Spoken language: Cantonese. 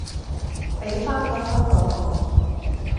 比返個香港我！